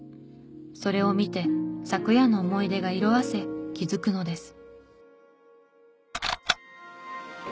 それを見て昨夜の思い出が色あせ気づくのです。